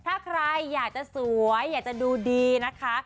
ถ้าใครอยากจะสวยอยากจะดูดีนะคะ